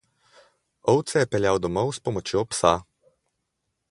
Ovce je peljal domov s pomočjo psa.